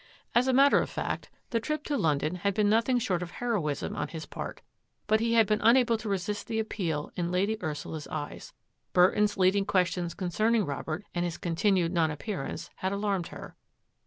As a mat ter of fact, the trip to London had been nothing short of heroism on his part, but he had been un able to resist the appeal in Lady Ursula's eyes. Burton's leading questions concerning Robert and his continued non appearance had alarmed her.